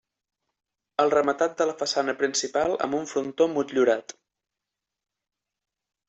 El rematat de la façana principal amb un frontó motllurat.